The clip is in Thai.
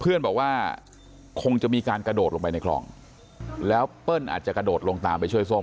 บอกว่าคงจะมีการกระโดดลงไปในคลองแล้วเปิ้ลอาจจะกระโดดลงตามไปช่วยส้ม